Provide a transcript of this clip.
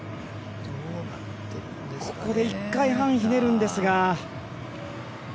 ここで１回半ひねるんですが。